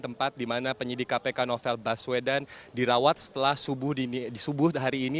tempat dimana penyidik kpk novel baswedan dirawat setelah subuh hari ini